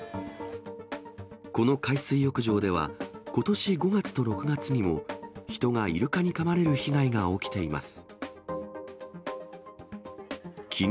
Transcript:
この海水浴場では、ことし５月と６月にも、人がイルカにかまれる被害が起きています。